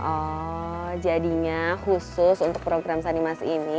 oh jadinya khusus untuk program sanimas ini